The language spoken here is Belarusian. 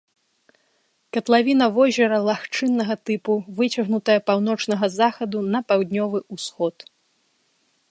Катлавіна возера лагчыннага тыпу, выцягнутая паўночнага захаду на паўднёвы ўсход.